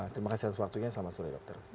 terima kasih atas waktunya selamat sore dokter